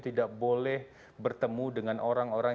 tidak boleh bertemu dengan orang orang